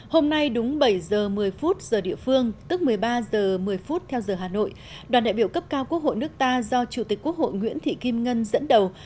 hôm nay đúng bảy giờ một mươi giờ địa phương tức một mươi ba h một mươi theo giờ hà nội đoàn đại biểu cấp cao quốc hội nước ta do chủ tịch quốc hội nguyễn thị kim ngân dẫn đầu